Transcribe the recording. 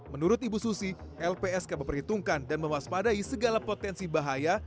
menurut ibu susi lpsk memperhitungkan dan mewaspadai segala potensi bahaya